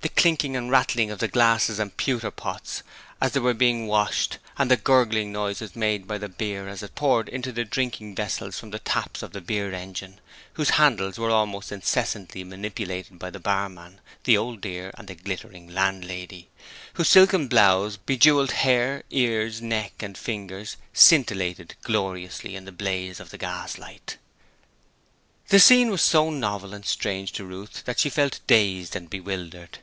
The clinking and rattling of the glasses and pewter pots as they were being washed, and the gurgling noise made by the beer as it poured into the drinking vessels from the taps of the beer engine, whose handles were almost incessantly manipulated by the barman, the Old Dear and the glittering landlady, whose silken blouse, bejewelled hair, ears, neck and fingers scintillated gloriously in the blaze of the gaslight. The scene was so novel and strange to Ruth that she felt dazed and bewildered.